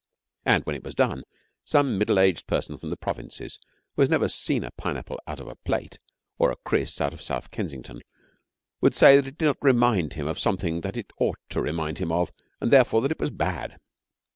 And when it was done, some middle aged person from the provinces, who had never seen a pineapple out of a plate, or a kris out of the South Kensington, would say that it did not remind him of something that it ought to remind him of, and therefore that it was bad.